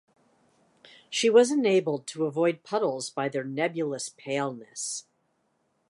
She was enabled to avoid puddles by their nebulous paleness.